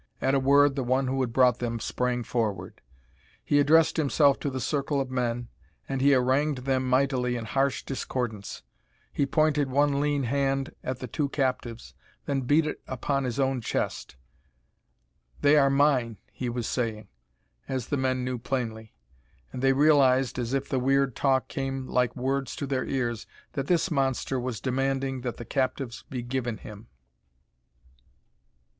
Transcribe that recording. At a word the one who had brought them sprang forward. He addressed himself to the circle of men, and he harangued them mightily in harsh discordance. He pointed one lean hand at the two captives, then beat it upon his own chest. "They are mine," he was saying, as the men knew plainly. And they realized as if the weird talk came like words to their ears that this monster was demanding that the captives be given him.